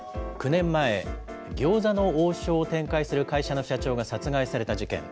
９年前、餃子の王将を展開する会社の社長が殺害された事件。